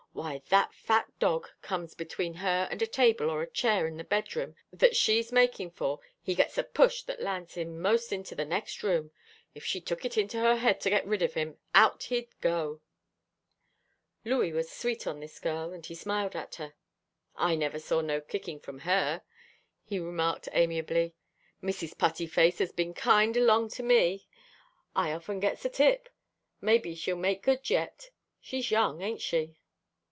Why, when that fat dog comes between her and a table or a chair in the bed room, that she's making for, he gets a push that lands him most into the next room. If she took it into her head to get rid of him, out he'd go." Louis was sweet on this girl, and he smiled at her. "I never saw no kicking from her," he remarked amiably. "Mrs. Putty Face has been kind along to me. I often gets a tip. Maybe she'll make good yet. She's young, ain't she?"